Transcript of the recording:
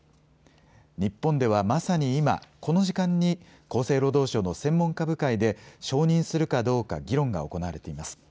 日本ではまさに今、この時間に、厚生労働省の専門家部会で、承認するかどうか議論が行われています。